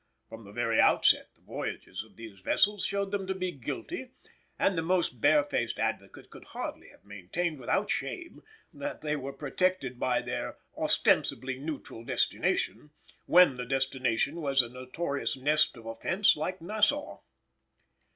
From the very outset the voyages of these vessels showed them to be guilty, and the most barefaced advocate could hardly have maintained without shame that they were protected by their ostensibly neutral destination, when that destination was a notorious nest of offence like Nassau.